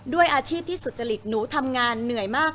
ด้วยอาชีพที่สุจริตหนูทำงานเหนื่อยมาก